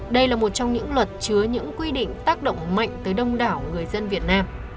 đây là một trong những luật chứa những quy định tác động mạnh tới đông đảo người dân việt nam